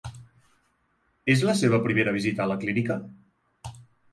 És la seva primera visita a la clínica?